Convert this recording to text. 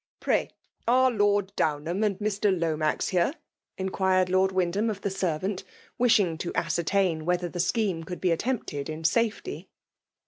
Pray are Lord Downham and Mr. Lomax here?*' inquired Lord Wyndham of the servant, wishing to ascertain whether the scheme could be at tempted in safety.